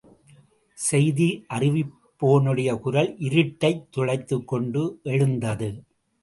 செய்தியறிவிப்போனுடைய குரல் இருட்டைத் துளைத்துக் கொண்டு எழுந்தது.